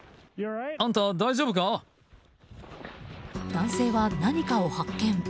男性は何かを発見。